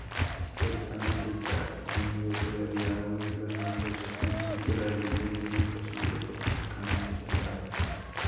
Históricamente, ya menudo todavía hoy, los miembros están literalmente divididos en grupos físicamente separados.